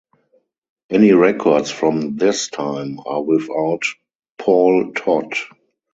Any records from this time are without Paul Todd.